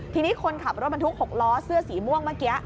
ทีนี้คนขับรถบรรทุก๖ล้อเสื้อสีม่วงเมื่อกี้